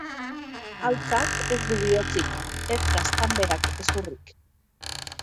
Haltzak ez du bihotzik, ez gaztanberak hezurrik.